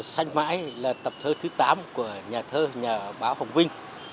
xanh mãi là tập thơ thứ tám của nhà thơ nhà báo hồng vinh